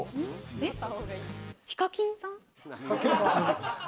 ＨＩＫＡＫＩＮさん？